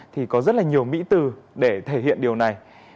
thì có rất là nhiều mỹ từ để thể hiện điều này